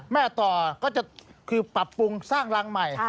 ต่อก็จะคือปรับปรุงสร้างรังใหม่